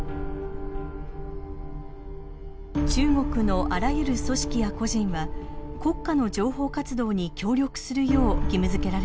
中国のあらゆる組織や個人は国家の情報活動に協力するよう義務づけられています。